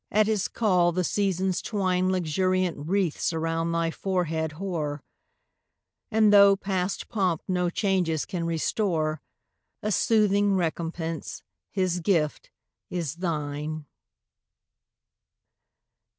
at his call the Seasons twine Luxuriant wreaths around thy forehead hoar; And, though past pomp no changes can restore, A soothing recompence, his gift, is thine!